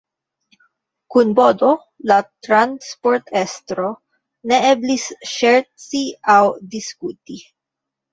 Kun Bodo, la transportestro, ne eblis ŝerci aŭ diskuti.